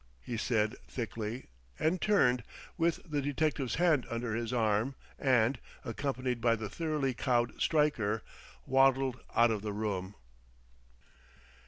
he said thickly; and turned, with the detective's hand under his arm and, accompanied by the thoroughly cowed Stryker, waddled out of the room.